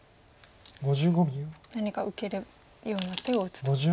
何か受けるような手を打つと。